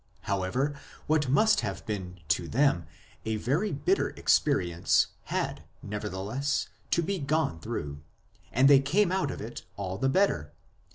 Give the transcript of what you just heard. How ever, what must have been to them a very bitter experience had, nevertheless, to be gone through ; and they came out of it all the better.